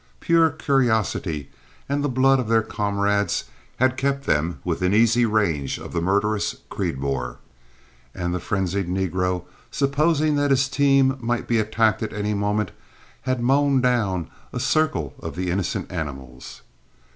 Pure curiosity and the blood of their comrades had kept them within easy range of the murderous Creedmoor; and the frenzied negro, supposing that his team might be attacked any moment, had mown down a circle of the innocent animals.